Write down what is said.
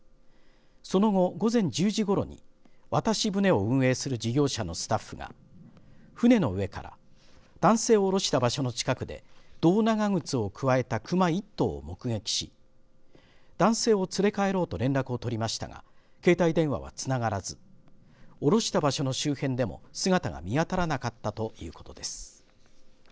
その後、午前１０時ごろに渡し船を運営する事業者のスタッフが船の上から男性を降ろした場所の近くで胴長靴をくわえた熊１頭を目撃し男性を連れ帰ろうと連絡を取りましたが携帯電話はつながらず降ろした場所の周辺でも姿が見当たらなかったということです。